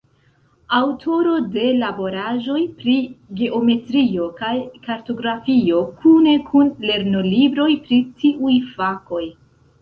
Aŭtoro de laboraĵoj pri geometrio kaj kartografio kune kun lernolibroj pri tiuj fakoj.